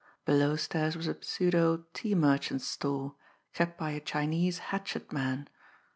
Below stairs was a pseudo tea merchant's store kept by a Chinese "hatchet" man.